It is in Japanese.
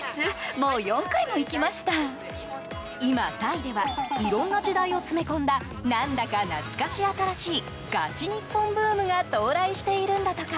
今、タイではいろんな時代を詰め込んだ何だか懐かし新しいガチニッポンブームが到来しているんだとか。